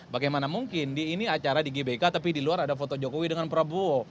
bagaimana mungkin di ini acara di gbk tapi di luar ada foto jokowi dengan prabowo